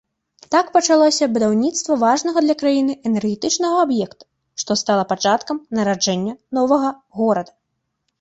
Так пачалося будаўніцтва важнага для краіны энергетычнага аб'екта, што стала пачаткам нараджэння новага горада.